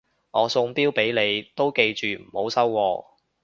我送錶俾你都記住唔好收喎